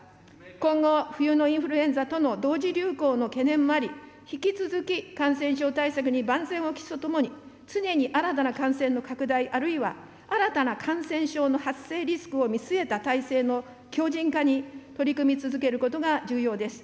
今後、冬のインフルエンザとの同時流行の懸念もあり、引き続き、感染症対策に万全を期すとともに、常に新たな感染の拡大、あるいは新たな感染症の発生リスクを見据えた態勢の強じん化に取り組み続けることが重要です。